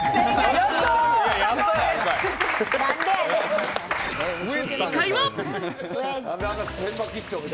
やった！